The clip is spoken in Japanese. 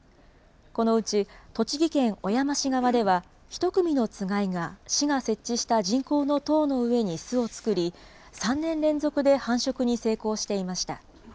このうち栃木県小山市側では、１組のつがいが市が設置した人工の塔の上に巣を作り、３年連続で繁殖に成功していました。